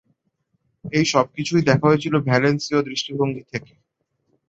এই সবকিছুই দেখা হয়েছিল ভ্যালেন্সিয় দৃষ্টিভঙ্গি থেকে।